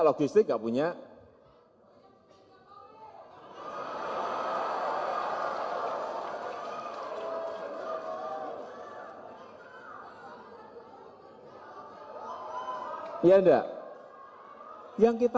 ya ga ada orang orang itu